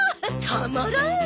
たまらん。